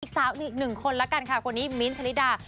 สาวอีกหนึ่งคนละกันค่ะคนนี้มิ้นท์ชะลิดา